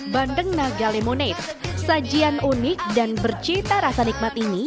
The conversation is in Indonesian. bandeng naga lemonate sajian unik dan bercita rasa nikmat ini